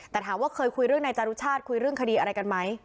แต่ถามว่าเคยคุยเรื่องนายจารุชาติคุยเรื่องคดีอะไรกันไหม